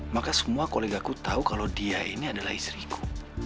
maka semua kolegaku tahu kalau dia ini adalah istriku